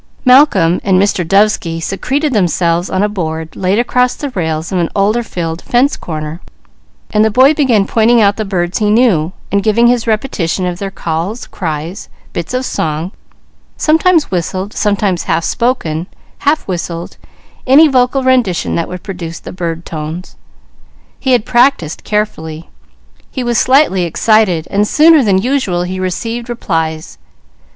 Malcolm and Mr. Dovesky secreted themselves on a board laid across the rails of an alder filled fence corner, then the boy began pointing out the birds he knew and giving his repetition of their calls, cries, bits of song, sometimes whistled, sometimes half spoken, half whistled, any vocal rendition that would produce the bird tones. He had practised carefully, he was slightly excited, and sooner than usual he received replies.